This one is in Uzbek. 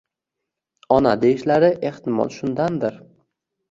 ona deyishlari, ehtimol, shundandir.